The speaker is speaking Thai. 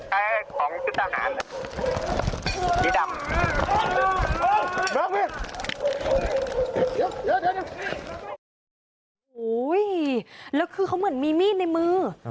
โอ้โหแล้วคือเขาเหมือนมีมีดในมือ